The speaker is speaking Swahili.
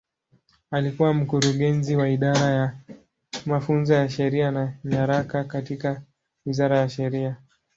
Alikuwa Mkurugenzi wa Idara ya Mafunzo ya Sheria na Nyaraka katika Wizara ya Sheria.